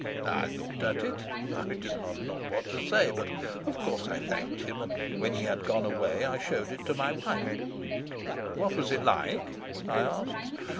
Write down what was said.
I looked at it. I did not know what to say, but of course I thanked him, and when he had gone away I showed it to my wife." "What was it like?" I asked.